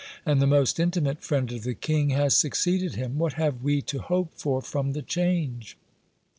"And the most intimate friend of the King has succeeded him! What have we to hope for from the change?"